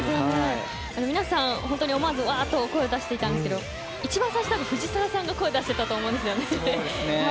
皆さん、本当に思わず声を出していたんですけど一番最初、藤澤さんが声を出していたと思うんですけど。